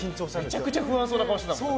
めちゃくちゃ不安そうな顔してたもん。